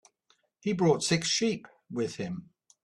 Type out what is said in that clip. He brought six sheep with him.